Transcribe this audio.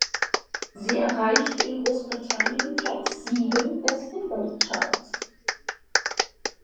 Sie erreichte in Großbritannien Platz sieben der Singlecharts.